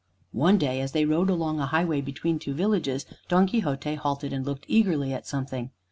One day as they rode along a highway between two villages Don Quixote halted and looked eagerly at something.